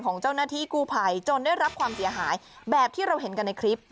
ของเจ้าหน้าที่กู้ภัยจนได้รับความเสียหายแบบที่เราเห็นกันในคลิป